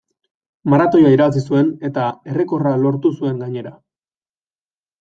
Maratoia irabazi zuen eta errekorra lortu zuen gainera.